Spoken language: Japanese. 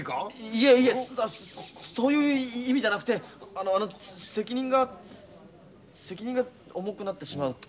いえいえそういう意味じゃなくてあの責任が責任が重くなってしまうっていうか。